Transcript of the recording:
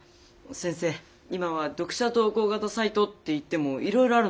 先生今は読者投稿型サイトっていってもいろいろあるんだ。